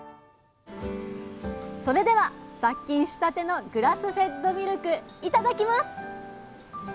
それでは殺菌したてのグラスフェッドミルクいただきます！